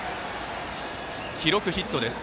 記録、ヒットです。